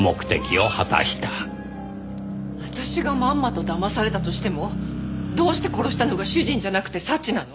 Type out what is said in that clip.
私がまんまとだまされたとしてもどうして殺したのが主人じゃなくて祥なの？